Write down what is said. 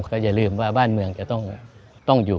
ก็อย่าลืมว่าบ้านเมืองจะต้องอยู่